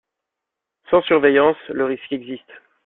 Sans surveillance le risque existe.